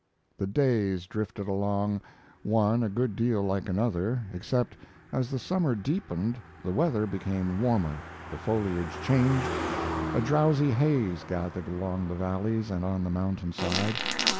The days drifted along, one a good deal like another, except, as the summer deepened, the weather became warmer, the foliage changed, a drowsy haze gathered along the valleys and on the mountain side.